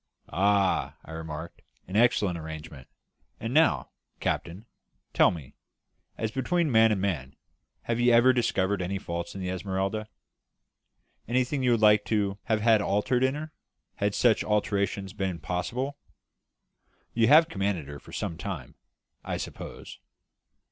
"Ah," I remarked, "an excellent arrangement. And now, captain, tell me, as between man and man, have you ever discovered any faults in the Esmeralda anything you would like to have had altered in her, had such alteration been possible? You have commanded her for some time, I suppose?"